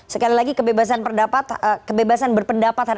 sekali lagi kebebasan berpendapat